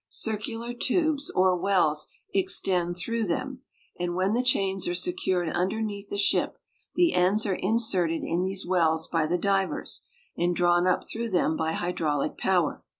Circular tubes, or wells, extend through them; and when the chains are secured underneath the ship, the ends are inserted in these wells by the divers, and drawn up through them by hydraulic power.